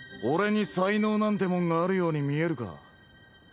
俺に才能なんてもんがあるように見えるか？